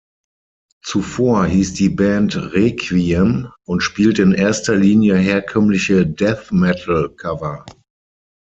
Zuvor hieß die Band Requiem und spielte in erster Linie herkömmliche Death-Metal-Cover.